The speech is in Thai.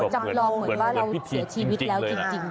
เหมือนกับเผื่อพิธีจริงเลยนะ